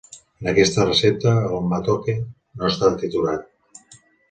En aquesta recepta, el "matoke" no està triturat.